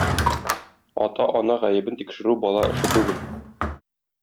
Ата-ана гаебен тикшерү бала эше түгел.